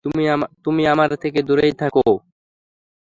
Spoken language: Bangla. তুমি আমার থেকে দূরেই থাকো।